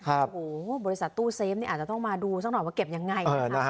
โอ้โหบริษัทตู้เซฟนี่อาจจะต้องมาดูสักหน่อยว่าเก็บยังไงนะคะ